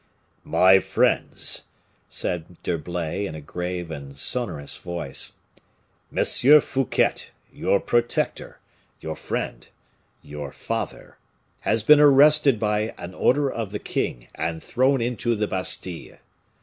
"My friends," said D'Herblay, in a grave and sonorous voice, "M. Fouquet, your protector, your friend, you father, has been arrested by an order of the king, and thrown into the Bastile."